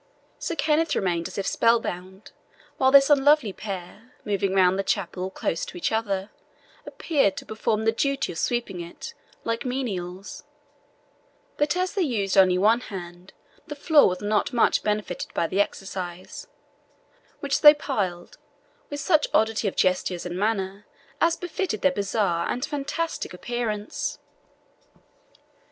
Sir Kenneth remained as if spellbound, while this unlovely pair, moving round the chapel close to each other, appeared to perform the duty of sweeping it, like menials; but as they used only one hand, the floor was not much benefited by the exercise, which they plied with such oddity of gestures and manner as befitted their bizarre and fantastic appearance.